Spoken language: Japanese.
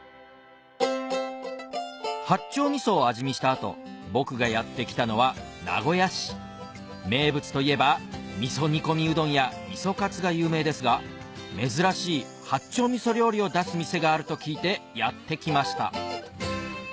八丁味噌を味見した後僕がやって来たのは名古屋市名物といえば味噌煮込みうどんや味噌カツが有名ですが珍しい八丁味噌料理を出す店があると聞いてやって来ました